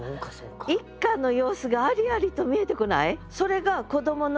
一家の様子がありありと見えてこない？